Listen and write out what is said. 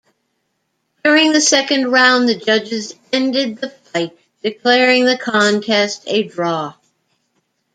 During the second round, the judges ended the fight, declaring the contest a draw.